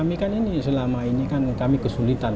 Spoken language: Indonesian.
kami kan ini selama ini kan kami kesulitan